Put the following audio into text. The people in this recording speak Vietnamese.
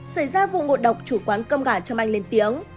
xảy ra vụ ngộ độc chủ quán cơm gà châm anh lên tiếng